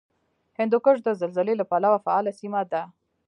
هندوکش د زلزلې له پلوه فعاله سیمه ده